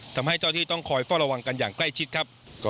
ทำให้เจ้าที่ต้องคอยเฝ้าระวังกันอย่างใกล้ชิดครับ